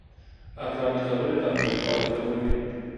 عقلاني خبرې تاوتريخوالی کموي.